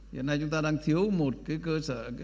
hiện nay chúng ta đang thiếu một cái cơ sở